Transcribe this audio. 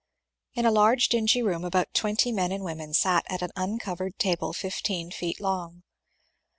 In a large dingy room about twenty men and women sat at an uncovered table fifteen feet long.